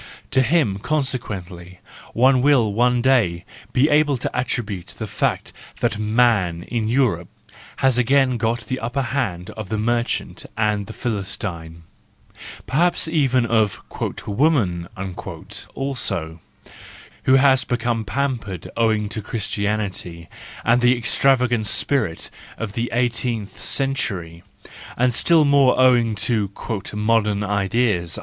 To him, consequently, one will one day be able to attribute the fact that man in Europe has again got the upper hand of the merchant and the Philistine; perhaps even of " woman " also, who has become pampered owing to Christianity and the extravagant spirit of the eighteenth century, and still more owing to " modern ideas."